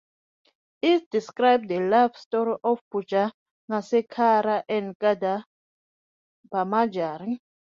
It describes the love story of Bhujangasekhara and Kadambamanjari.